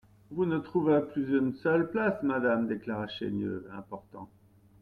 Vous ne trouverez plus une seule place, madame, déclara Chaigneux, important.